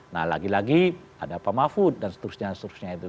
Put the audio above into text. nah lagi lagi ada pak mahfud dan seterusnya